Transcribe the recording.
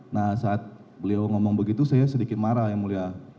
nah saat beliau ngomong begitu saya sedikit marah yang mulia